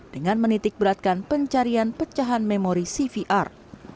dengan menitik beratkan pencarian pecahan memori cvr